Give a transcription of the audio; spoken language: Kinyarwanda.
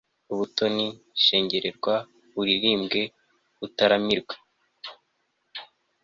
ubutoni, shengererwa uririmbwe, utaramirwe